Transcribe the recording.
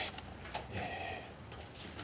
えーっと。